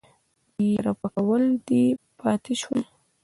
يره پکول دې پاتې شو.